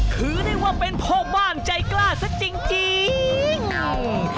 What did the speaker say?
ถือได้ว่าเป็นพ่อบ้านใจกล้าซะจริง